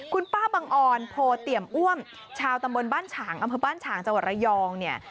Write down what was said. คุณป้าบังอ่อนโผติเปรียมอ้วมชาวตำบลบ้านฉางอัพพยาบันฉางจวรยองเนี่ย